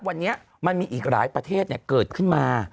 วันนี้มันมีอีกหลายประเทศเกิดขึ้นมา